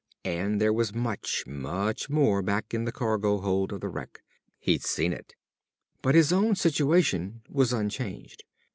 And there was much, much more back in the cargo hold of the wreck. He'd seen it. But his own situation was unchanged.